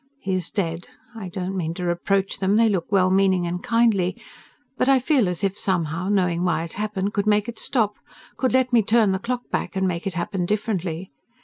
He is dead. I don't mean to reproach them they look well meaning and kindly but I feel as if, somehow, knowing why it happened could make it stop, could let me turn the clock back and make it happen differently.